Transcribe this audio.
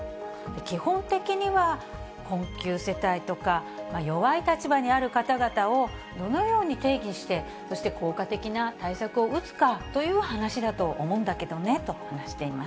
基本的には困窮世帯とか、弱い立場にある方々をどのように定義して、そして効果的な対策を打つかという話だと思うんだけどねと話しています。